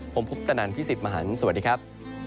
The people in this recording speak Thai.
ผมพุทธนันพี่สิทธิ์มหันฯสวัสดีครับ